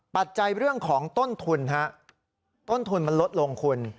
ปัจจัยเรื่องของต้นทุนฮะต้นทุนมันลดลงคุณ